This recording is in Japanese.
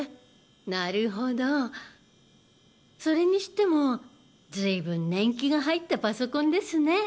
なるほどそれにしてもずいぶん年季が入ったパソコンですね！